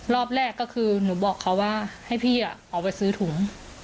รอบแรกก็คือหนูบอกเขาว่าให้พี่ออกไปซื้อถุง